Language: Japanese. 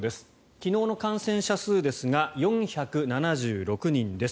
昨日の感染者数ですが４７６人です。